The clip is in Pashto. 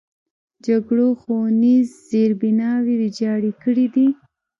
جګړو ښوونیز زیربناوې ویجاړې کړي دي.